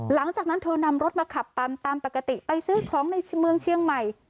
หลังจากนั้นเธอนำรถมาขับปั๊มตามปกติไปซื้อของในเมืองเชียงใหม่